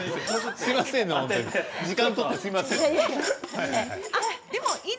すみません時間を取ってすみません。